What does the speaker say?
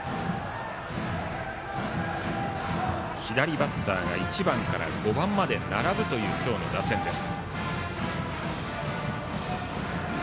左バッターが１番から５番まで並ぶという今日の打線です。